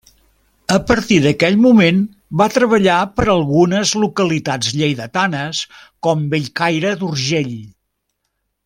A partir d'aquell moment va treballar per a algunes localitats lleidatanes com Bellcaire d'Urgell.